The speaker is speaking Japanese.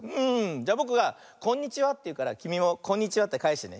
じゃあぼくが「こんにちは」っていうからきみも「こんにちは」ってかえしてね。